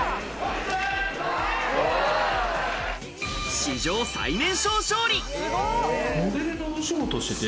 史上最年少勝利！